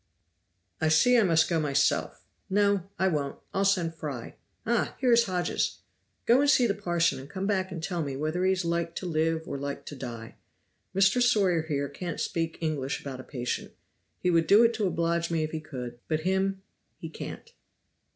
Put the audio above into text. "I see I must go myself No, I won't, I'll send Fry. Ah, here is Hodges. Go and see the parson, and come back and tell me whether he is like to live or like to die. Mr. Sawyer here can't speak English about a patient; he would do it to oblige me if he could, but him, he can't."